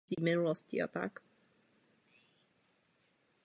Singl obdržel platinové ocenění.